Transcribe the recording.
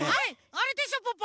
あれでしょポッポ。